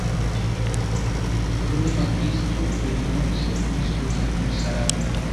kuruma kristu buri munsi umusubiza ku musaraba